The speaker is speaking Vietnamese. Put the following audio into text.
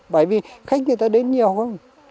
bởi vì khách người ta đến nhiều không